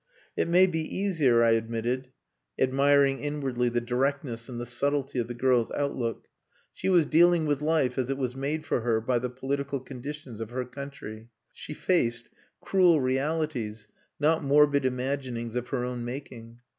"It may be easier," I admitted, admiring inwardly the directness and the subtlety of the girl's outlook. She was dealing with life as it was made for her by the political conditions of her country. She faced cruel realities, not morbid imaginings of her own making.